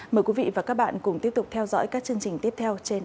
mời quý vị và các bạn cùng tiếp tục theo dõi các chương trình tiếp theo trên